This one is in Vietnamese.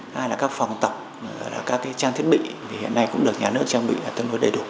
hai là các phòng tập các trang thiết bị thì hiện nay cũng được nhà nước trang bị tương đối đầy đủ